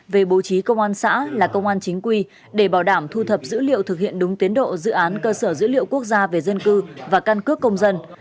về bố trí công an xã là công an chính quy để bảo đảm thu thập dữ liệu thực hiện đúng tiến độ dự án cơ sở dữ liệu quốc gia về dân cư và căn cước công dân